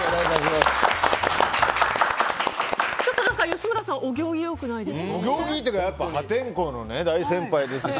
吉村さん、お行儀良くないですか。